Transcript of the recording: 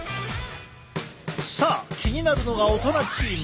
さあ気になるのが大人チーム。